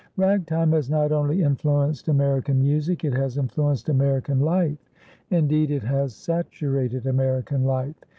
Ragtime has not only influenced American music, it has influenced American life; indeed, it has saturated American life.